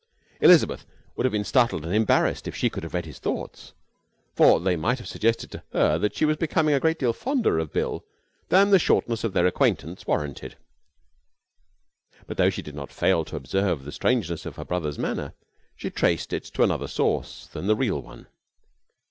Elizabeth would have been startled and embarrassed if she could have read his thoughts, for they might have suggested to her that she was becoming a great deal fonder of Bill than the shortness of their acquaintance warranted. But though she did not fail to observe the strangeness of her brother's manner, she traced it to another source than the real one.